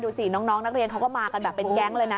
ดูสิน้องนักเรียนเขาก็มากันแบบเป็นแก๊งเลยนะ